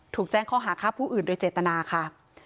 ถูกแจ้งข้อหาฆ่าผู้อื่นโดยเจตนาค่ะ